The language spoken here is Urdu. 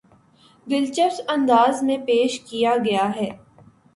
دلچسپ انداز میں پیش کیا گیا ہے